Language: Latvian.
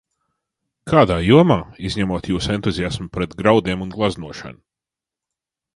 Kādā jomā, izņemot jūsu entuziasmu pret graudiem un gleznošanu?